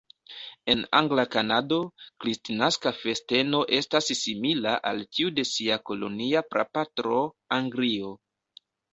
En angla Kanado, kristnaska festeno estas simila al tiu de sia kolonia prapatro, Anglio.